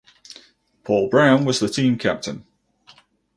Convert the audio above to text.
Paul Brown was the team captain.